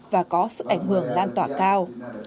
và có sức ảnh hưởng lan tỏa cao